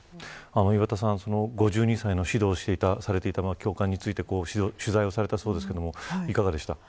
岩田さん、５２歳の指導していた教官について取材をされたそうですがいかがでした。